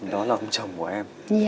đó là ông chồng của em